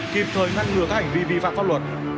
kịp thời ngăn ngừa các hành vi vi phạm pháp luật